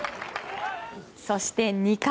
そして２回。